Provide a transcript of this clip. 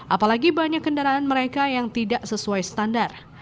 apalagi banyak kendaraan mereka yang tidak sesuai standar